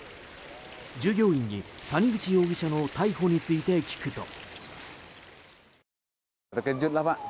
従業員に谷口容疑者の逮捕について聞くと。